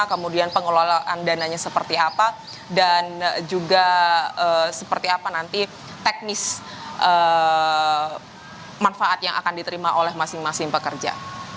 kemudian pengelolaan dananya seperti apa dan juga seperti apa nanti teknis manfaat yang akan diterima oleh masing masing pekerja